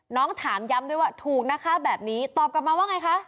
ถามย้ำด้วยว่าถูกนะคะแบบนี้ตอบกลับมาว่าไงคะ